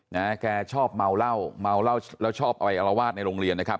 แกชอบเมาเหล้าเมาเหล้าแล้วชอบเอาไปอารวาสในโรงเรียนนะครับ